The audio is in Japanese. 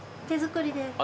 手作りで。